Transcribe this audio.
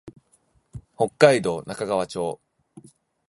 北海道中川町